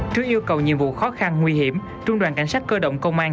trước yêu cầu nhiệm vụ khó khăn nguy hiểm trung đoàn cảnh sát cơ động công an